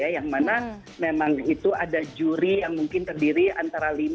yang mana memang itu ada juri yang mungkin terdiri antara lima